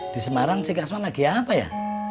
di semarang si kasman lagi apa ya